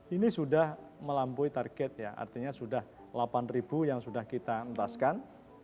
ini sudah melampaui target ya artinya sudah delapan ribu yang sudah kita entaskan